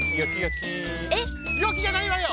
よきじゃないわよ！